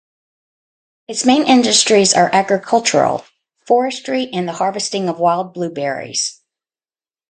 Its main industries are agricultural: forestry and the harvesting of wild blueberries.